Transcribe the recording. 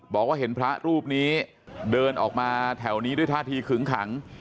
บอกว่าเห็นพระรูปนี้เดินออกมาแถวนี้ด้วยท่าทีขึงขัง